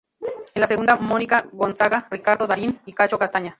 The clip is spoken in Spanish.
En la segunda Mónica Gonzaga, Ricardo Darín y Cacho Castaña.